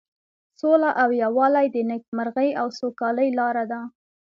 سوله او یووالی د نیکمرغۍ او سوکالۍ لاره ده.